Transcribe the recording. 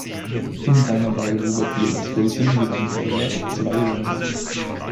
In seiner bei Robert Yates Racing gewann Sadler zwei Rennen.